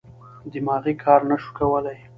دماغي کار نه شوای کولای.